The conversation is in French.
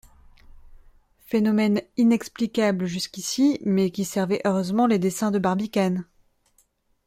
Phénomène inexplicable jusqu’ici, mais qui servait heureusement les desseins de Barbicane.